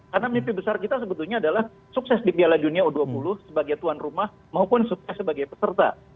karena mimpi besar kita sebetulnya adalah sukses di piala dunia u dua puluh sebagai tuan rumah maupun sukses sebagai peserta